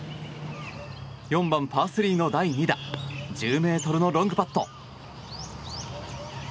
４番、パー３の第２打１０ｍのロングパット。